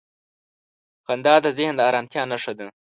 • خندا د ذهن د آرامتیا نښه ده.